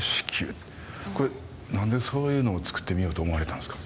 これ何でそういうのを作ってみようと思われたんですか？